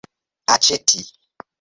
aĉeti